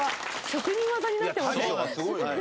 職人技になってますね。